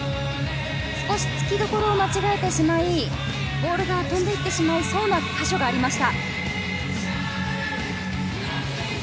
突きどころを間違えてしまい、ボールが飛んでいってしまいそうな箇所がありました。